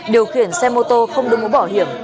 điều khiển xe mô tô không đứng bỏ hiểm